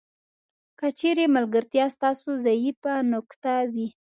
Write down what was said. که چیرې ملګرتیا ستاسو ضعیفه نقطه وي.